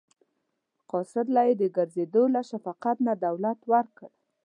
قاصد له یې د ګرځېدو له مشقت نه دولت ورکړ.